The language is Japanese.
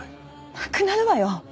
なくなるわよ！